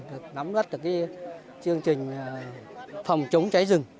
được nắm bắt được chương trình phòng chống cháy rừng